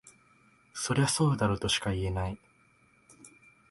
そりゃそうだろとしか言えない